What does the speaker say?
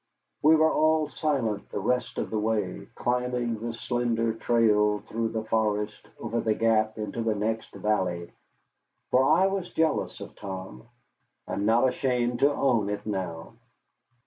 We were all silent the rest of the way, climbing the slender trail through the forest over the gap into the next valley. For I was jealous of Tom. I am not ashamed to own it now.